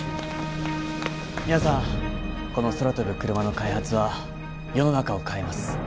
皆さんこの空飛ぶクルマの開発は世の中を変えます。